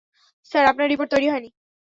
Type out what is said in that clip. Sir, আপনার report তৈরি হয়নি।